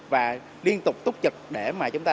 và liên tục túc trực để mà chúng ta